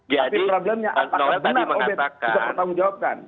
jadi noelle tadi mengatakan